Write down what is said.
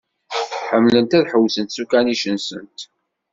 Ḥemmlent ad ḥewsent s ukanic-nsent.